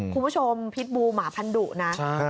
คุณผู้ชมพิษบูหมาพันธุนะ